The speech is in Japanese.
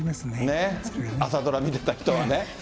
朝ドラ見てた人はね。